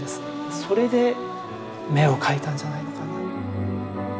それで眼を描いたんじゃないのかな。